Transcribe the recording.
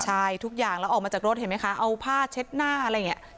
ใช่ทุกอย่างแล้วออกมาจากรถเห็นไหมคะเอาผ้าเช็ดหน้าอะไรอย่างนี้